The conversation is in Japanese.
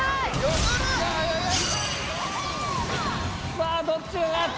さあどっちが勝つ？